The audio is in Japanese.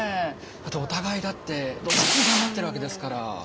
お互いだってどちらもがんばってるわけですから。